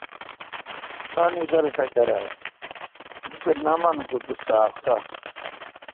تانی در ٹکرہ دی تہ نہ من کو تو ساق تہ